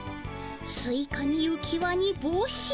スイカにうきわにぼうし